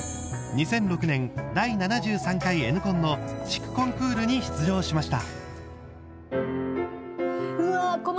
２００６年、第７３回「Ｎコン」の地区コンクールに出場しました。